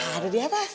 ada di atas